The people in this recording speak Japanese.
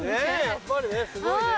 やっぱりねすごいね。